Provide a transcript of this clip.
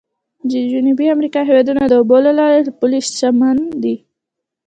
د جنوبي امریکا هېوادونه د اوبو د لارو له پلوه شمن دي.